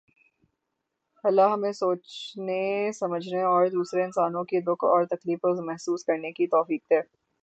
اللہ ہمیں سوچنے سمجھنے اور دوسرے انسانوں کے دکھ اور تکلیف کو محسوس کرنے کی توفیق دے